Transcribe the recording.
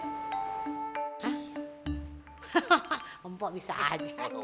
hahaha mpok bisa aja